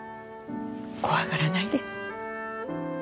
怖がらないで。